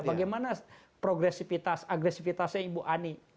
bagaimana progresifitas agresifitasnya ibu ani